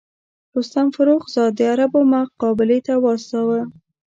رستم فرُخ زاد د عربو مقابلې ته واستاوه.